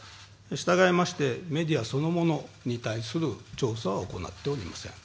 したがいまして、メディアそのものに対する調査を行っておりません。